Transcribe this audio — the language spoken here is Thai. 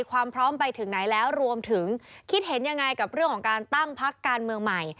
ความพร้อมไปถึงไหนแล้วรวมถึงคิดเห็นยังไงกับเรื่องของการตั้งพักการเมืองใหม่